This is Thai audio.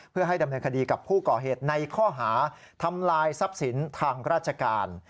เพื่อให้ดำเนินคดีกับผู้ก่อเหตุในข้อหาทำลายทรัพย์สินทางราชการ